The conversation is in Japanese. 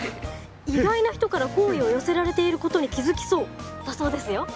「意外な人から好意を寄せられていることに気付きそう」だそうですよ。